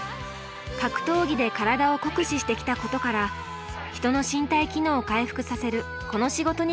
格闘技で体を酷使してきたことから人の身体機能を回復させるこの仕事に興味を持ったそうです。